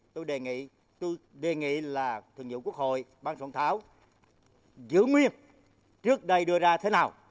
tôi đề nghị là thường dụng quốc hội bang xuân thảo giữ nguyên trước đây đưa ra thế nào